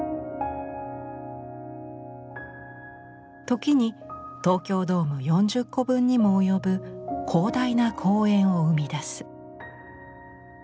時に東京ドーム４０個分にも及ぶ広大な公園を生み出す。